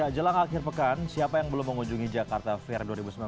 jelang akhir pekan siapa yang belum mengunjungi jakarta fair dua ribu sembilan belas